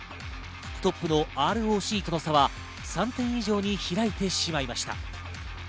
トップのＲＯＣとの差は３点以上に開いてしまいました。